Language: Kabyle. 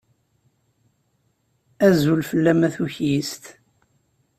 Azul fell-am a tukyist!